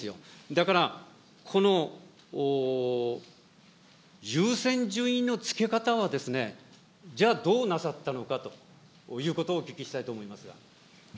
だから、この優先順位のつけ方は、じゃあ、どうなさったのかということをお聞きしたいと思いますが。